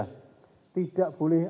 jadi sekarang ini